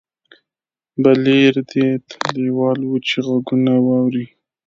بليير دې ته لېوال و چې غږونه واوري.